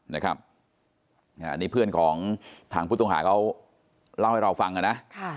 นี่เขียนของเพื่อนทางพุทธภาคเวลาให้เราฟังเลยนะ